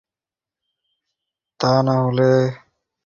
সকাল হইতে সেখানে ধুমধাম চলিতেছে।